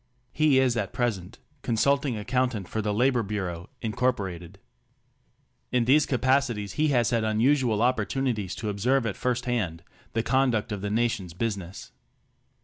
He is at present consulting ac countant for the Labor Bureau, Inc. In these capacities he has had unusual opportunities to observe at first hand the con duct of the nation's business.